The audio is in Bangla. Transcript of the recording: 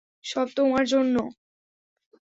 সব তোমার জন্য!